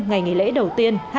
ngày nghỉ lễ đầu tiên